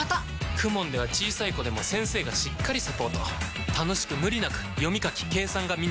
ＫＵＭＯＮ では小さい子でも先生がしっかりサポート楽しく無理なく読み書き計算が身につきます！